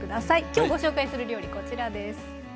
今日ご紹介する料理こちらです。